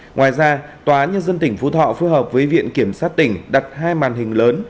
ngoài ra tòa nhân dân tỉnh phú thọ phối hợp với viện kiểm sát tỉnh đặt hai màn hình lớn